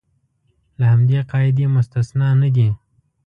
له همدې قاعدې مستثنی نه دي.